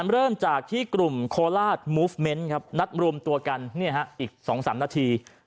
เริ่มจากที่กลุ่มโคลาสมูฟเมนต์ครับนัดรวมตัวกันอีก๒๓นาที